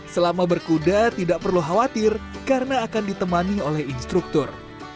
selama berkuda tidak perlu khawatir karena akan ditemani oleh instruktur